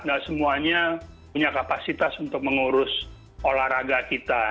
tidak semuanya punya kapasitas untuk mengurus olahraga kita